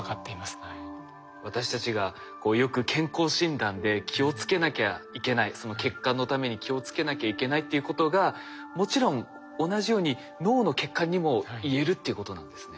私たちがよく健康診断で気をつけなきゃいけない血管のために気をつけなきゃいけないということがもちろん同じように脳の血管にもいえるっていうことなんですね。